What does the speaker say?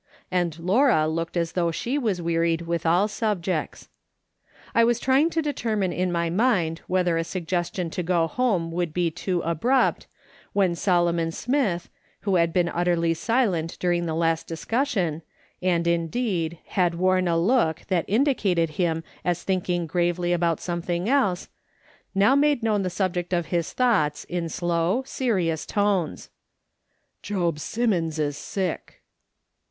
And Laura looked as though she was wearied with all subjects. I was trying to determine in my mind whether a suggestion to go home would be too abrupt, when Solomon Smith, who had been utterly silent during the last discussion, and, indeed, had worn a look that indi cated him as thinking gravely about something else, now made known the subject of his thoughts in slow, serious tones: " Job Simmons is sick."